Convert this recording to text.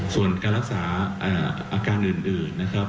ส่วนการรักษาอาการอื่นนะครับ